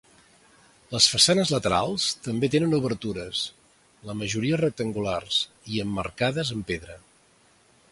Les façanes laterals també tenen obertures, la majoria rectangulars i emmarcades en pedra.